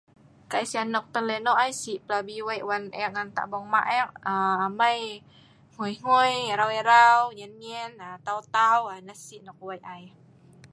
Kai Si anok pelinok.si Wei lem tak bungma eek.emou nyien nyien, tau tau. Nah si anok Wei ai.